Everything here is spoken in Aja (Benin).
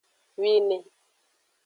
Wine.